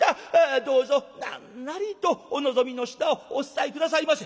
どうぞなんなりとお望みの品をお伝え下さいませ」。